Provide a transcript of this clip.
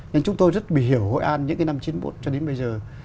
nên chúng tôi rất bị hiểu hội an những cái năm chín mươi một cho đến bây giờ